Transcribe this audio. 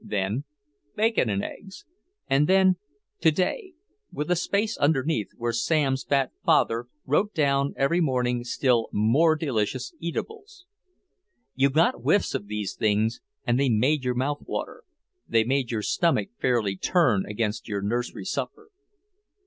Then "Bacon and eggs." And then, "To day" with a space underneath where Sam's fat father wrote down every morning still more delicious eatables. You got whiffs of these things and they made your mouth water, they made your stomach fairly turn against your nursery supper.